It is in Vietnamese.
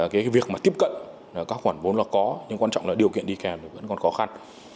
cái việc mà tiếp cận các khoản vốn là có nhưng quan trọng là điều kiện đi kèm thì vẫn còn khó khăn